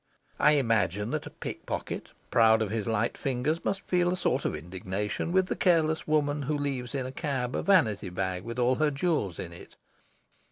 I imagine that a pickpocket, proud of his light fingers, must feel a sort of indignation with the careless woman who leaves in a cab a vanity bag with all her jewels in it.